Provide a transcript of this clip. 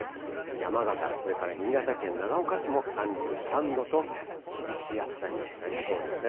山形、それから新潟県長岡市も３３度と、厳しい暑さになりそうですね。